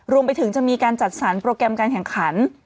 รวมไปถึงจะมีการจัดสรรโปรแกรมการแข่งขัน